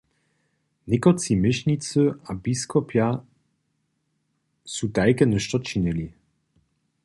Někotři měšnicy a biskopja su tajke něšto činili.